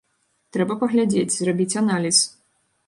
Трэба паглядзець, зрабіць аналіз.